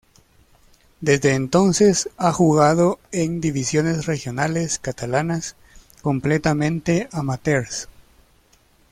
Desde entonces ha jugado en divisiones regionales catalanas, completamente amateurs.